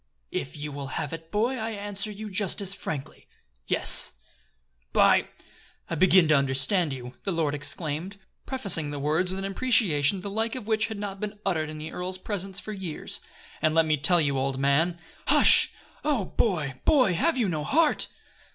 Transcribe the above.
"If you will have it, boy, I answer you just as frankly, yes." "By ! I begin to understand you!" the young lord exclaimed, prefacing the words with an imprecation the like of which had not been uttered in the earl's presence for years. "And let me tell you, old man " "Hush! Oh, boy! boy! have you no heart?"